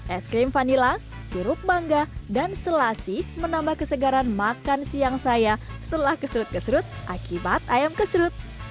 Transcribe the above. es krim vanila sirup mangga dan selasi menambah kesegaran makan siang saya setelah keserut kesrut akibat ayam kesrut